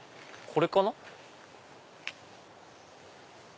これかな？